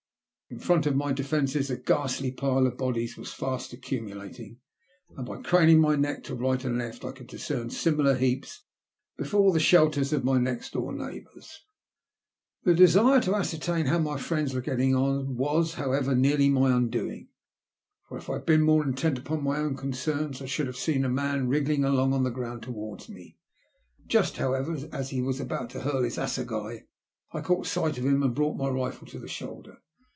In front of my defences a ghastly pile of bodies was fast accumulating, and by craning my neck to right and left, I could discern similar heaps before the shelters of my neit door neighbours. This desire to ascertain how my friends were getting on was, however, nearly my undoing; for if I had been more intent upon my own concerns, I should have seen a man wriggling along on tl^ ground towards me. Just, however, as he was about to hurl his assegai I caught Bight of him, and brought my rifle to the shoulder.